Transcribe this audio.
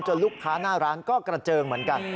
ลูกค้าหน้าร้านก็กระเจิงเหมือนกัน